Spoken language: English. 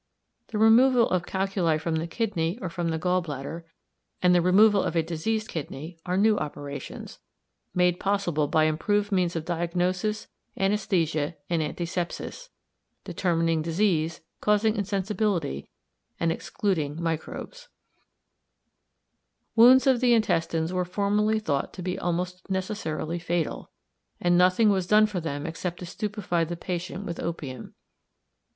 The removal of calculi from the kidney or from the gall bladder, and the removal of a diseased kidney, are new operations, made possible by improved means of diagnosis, anæsthesia, and antisepsis [determining disease, causing insensibility, and excluding microbes]. Wounds of the intestines were formerly thought to be almost necessarily fatal, and nothing was done for them except to stupify the patient with opium.